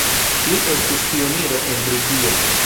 Li estis pioniro en Britio.